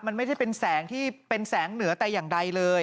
มันไม่ได้เป็นแสงที่เป็นแสงเหนือแต่อย่างใดเลย